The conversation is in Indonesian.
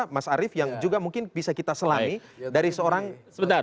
mas arief yang juga mungkin bisa kita selami dari seorang sebenarnya